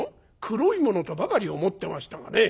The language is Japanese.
黒いものとばかり思ってましたがね。